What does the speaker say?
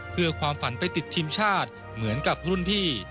เพื่อความฝันไปติดทีมชาติเหมือนกับรุ่นพี่